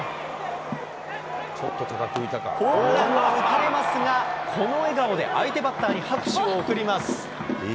ホームランを打たれますが、この笑顔で、相手バッターに拍手を送ります。